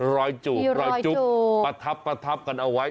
รอยจูบประทับกันเอาไว้